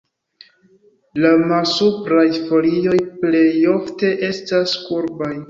La malsupraj folioj plej ofte estas kurbaj.